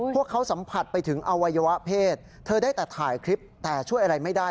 พวกเขาสัมผัสไปถึงอวัยวะเพศเธอได้แต่ถ่ายคลิปแต่ช่วยอะไรไม่ได้